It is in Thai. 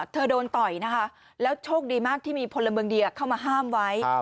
โดนต่อยนะคะแล้วโชคดีมากที่มีพลเมืองดีเข้ามาห้ามไว้